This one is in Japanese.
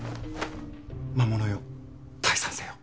魔物よ退散せよ。